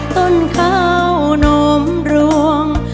ต้นข้าวนมรวง